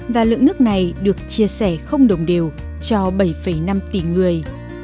và lượng nước này được chia sẻ không đồng đều cho bảy năm tỷ người